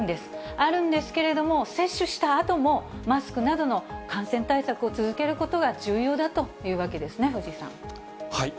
あるんですけれども、接種したあとも、マスクなどの感染対策を続けることが重要だというわけですね、藤井さん。